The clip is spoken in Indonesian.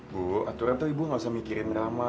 bu aturan tuh ibu nggak usah mikirin drama